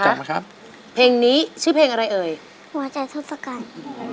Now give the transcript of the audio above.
กลับมาครับเพลงนี้ชื่อเพลงอะไรเอ่ยหัวใจทศกัณฐ์